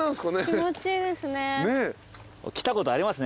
気持ちいいですね。